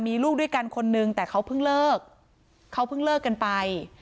มีลูกด้วยกันคนนึงแต่เขาเพิ่งเลิกเขาเพิ่งเลิกกันไป